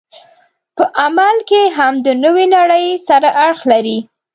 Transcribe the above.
په عمل کې هم د نوې نړۍ سره اړخ لري.